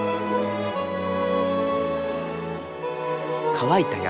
乾いた山。